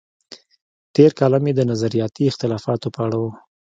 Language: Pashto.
تېر کالم یې د نظریاتي اختلافاتو په اړه و.